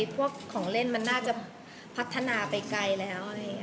พวกของเล่นมันน่าจะพัฒนาไปไกลแล้ว